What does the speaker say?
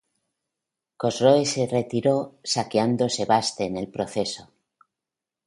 Cosroes se retiró, saqueando Sebaste en el proceso.